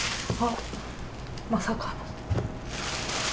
まさかの。